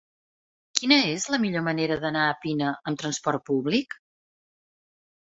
Quina és la millor manera d'anar a Pina amb transport públic?